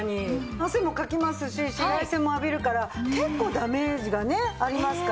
汗もかきますし紫外線も浴びるから結構ダメージがねありますから。